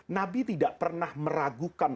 nabi tidak pernah meragukan